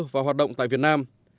và hoạt động tại việt nam